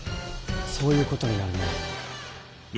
そういうことになるね。